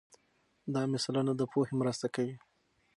دا مثالونه د پوهې مرسته کوي.